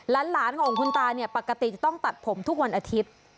หลานของคุณตาเนี่ยปกติจะต้องตัดผมทุกวันอาทิตย์